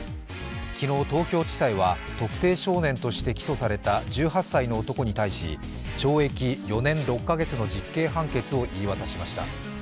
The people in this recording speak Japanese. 昨日、東京地裁は特定少年として起訴された１８歳の男に対し、懲役４年６か月の実刑判決を言い渡しました。